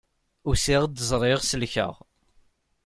Usiɣ-d, ẓriɣ, selkeɣ.